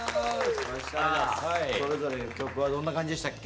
それぞれの曲はどんな感じでしたっけ？